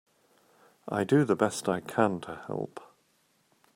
I do the best I can to help.